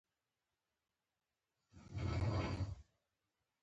کوږ ذهن له خوشبینۍ بد وړي